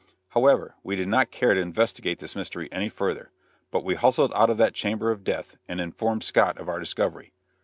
However, we did not care to investigate this mystery any further, but we hustled out of that chamber of death and informed Scott of our discovery.